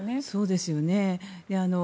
そうですよね。